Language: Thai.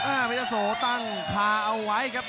อ้าวมิทยาโสตั้งค่าเอาไว้ครับ